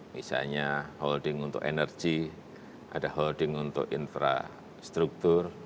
misalnya holding untuk energi ada holding untuk infrastruktur